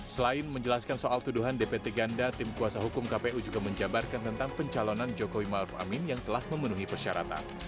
selain menjelaskan soal tuduhan dpt ganda tim kuasa hukum kpu juga menjabarkan tentang pencalonan jokowi maruf amin yang telah memenuhi persyaratan